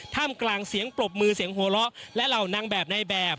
ถ้ามกลางเสียงปลบมือเสียงโหละและเหล่านางแบบในแบบ